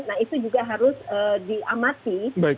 nah itu juga harus diamati